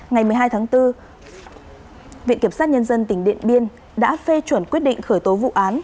ngày một mươi hai tháng bốn viện kiểm sát nhân dân tỉnh điện biên đã phê chuẩn quyết định khởi tố vụ án